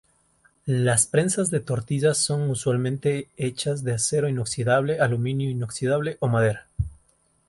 Las prensas de tortilla son usualmente hechas de acero inoxidable, aluminio inoxidable o madera.